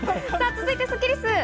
続いてスッキりす。